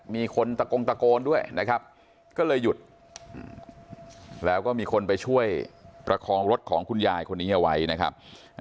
มีคนตะโกงตะโกนด้วยนะครับก็เลยหยุดแล้วก็มีคนไปช่วยประคองรถของคุณยายคนนี้เอาไว้นะครับ